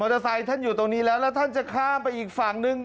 เตอร์ไซค์ท่านอยู่ตรงนี้แล้วแล้วท่านจะข้ามไปอีกฝั่งนึง